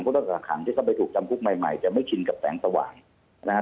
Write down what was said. คุณต้องฝังที่กำไมโตรจำคุกใหม่จะไม่ชินกับแสงสว่างนะฮะ